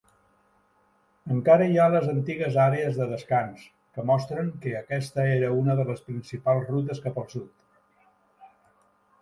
Encara hi ha les antigues àrees de descans, que mostren que aquesta era una de les principals rutes cap al sud.